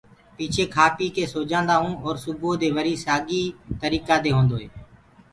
پڇي کآ پيٚڪي سو جآنٚدآ هونٚ اور سُبوئو دي وري سآڳي ترآ دي هوندو هي۔